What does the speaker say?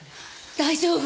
大丈夫。